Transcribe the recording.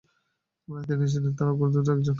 তিনি ছিলেন তার অগ্রদূতদের একজন।